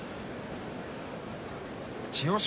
千代翔